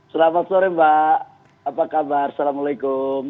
selamat sore mbak apa kabar assalamualaikum